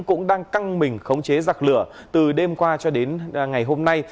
cũng đang căng mình khống chế giặc lửa từ đêm qua cho đến ngày hôm nay